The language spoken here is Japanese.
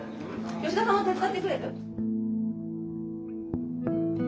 吉田さんも手伝ってくれる？